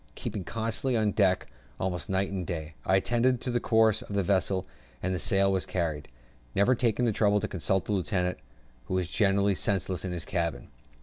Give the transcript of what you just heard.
Keeping constantly on deck, almost night and day, I attended to the course of the vessel and the sail she carried, never taking the trouble to consult the lieutenant, who was generally senseless in his cabin.